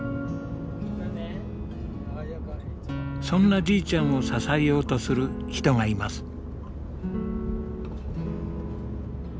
そんなじいちゃんを支えようとする人がいます。